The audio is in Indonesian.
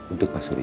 untuk pak surya